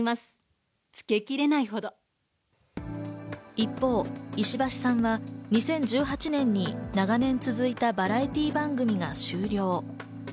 一方、石橋さんは２０１８年に長年続いたバラエティー番組が終了。